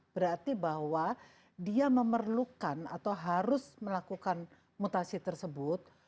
berarti bahwa dia memerlukan atau harus melakukan mutasi tersebut